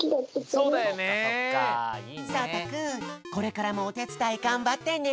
そうたくんこれからもおてつだいがんばってね！